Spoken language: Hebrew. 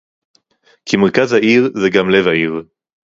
כי מרכז העיר זה גם לב העיר